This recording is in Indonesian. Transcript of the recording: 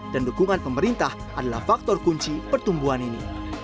dan dukungan pemerintah adalah faktor kunci pertumbuhan ini